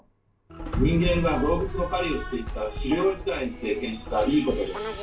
人間が動物の狩りをしていた狩猟時代に経験した「いいこと」です。